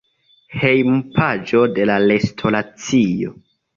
Hejmpaĝo de la restoracio.